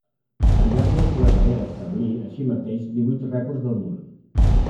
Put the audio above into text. Al llarg de la seva carrera establí, així mateix, divuit rècords del món.